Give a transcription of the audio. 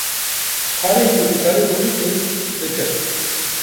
Karên ku dikarîbû bikî, dikir.